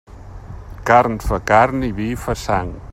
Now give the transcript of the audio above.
Carn fa carn i vi fa sang.